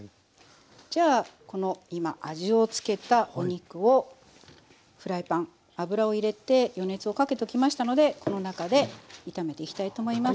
じゃあこの今味をつけたお肉をフライパン油を入れて予熱をかけときましたのでこの中で炒めていきたいと思います。